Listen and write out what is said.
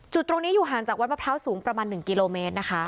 จุดตรงนี้อยู่ห่างจากวัดมะพร้าวสูงประมาณ๑กิโลเมตรนะคะ